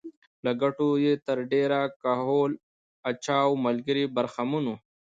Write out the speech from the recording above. له ګټو یې تر ډېره د کهول اجاو ملګري برخمن وو